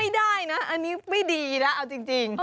ไม่ได้นะอันนี้ไม่ดีนะเอาจริง